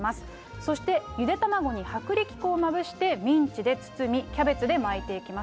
そして、ゆで卵に薄力粉をまぶして、ミンチで包み、キャベツで巻いていきます。